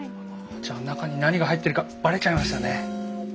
じゃあ中に何が入ってるかバレちゃいましたね。